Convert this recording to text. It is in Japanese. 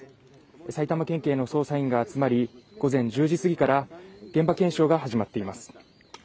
埼玉県警の捜査員が集まり午前１０時過ぎから現場検証が始まっています